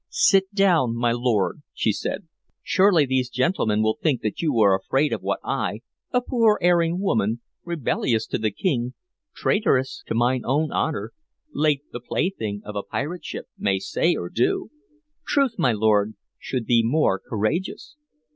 "Sit down, my lord," she said. "Surely these gentlemen will think that you are afraid of what I, a poor erring woman, rebellious to the King, traitress to mine own honor, late the plaything of a pirate ship, may say or do. Truth, my lord, should be more courageous."